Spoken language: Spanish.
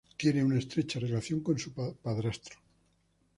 Tiene una estrecha relación con su padrastro.